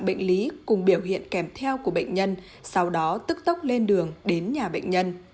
tính cùng biểu hiện kèm theo của bệnh nhân sau đó tức tốc lên đường đến nhà bệnh nhân